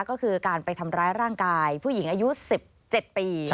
ก็คือการไปทำร้ายร่างกายผู้หญิงอายุ๑๗ปี